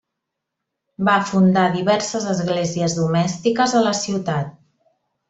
Va fundar diverses esglésies domèstiques a la ciutat.